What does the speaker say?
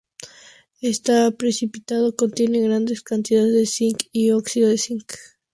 Este precipitado contiene grandes cantidades de zinc y óxido de zinc.